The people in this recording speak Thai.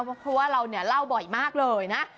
เพราะว่าเราเนี่ยเล่าบ่อยมากเลยนะ